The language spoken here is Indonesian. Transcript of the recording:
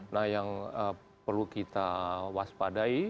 nah yang perlu kita waspadai